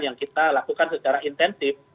yang kita lakukan secara intensif